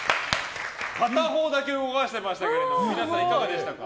片方だけ動かしてましたけど皆さんいかがでしたか。